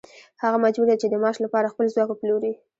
هغه مجبور دی چې د معاش لپاره خپل ځواک وپلوري